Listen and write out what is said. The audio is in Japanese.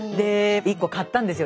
１個買ったんですよ。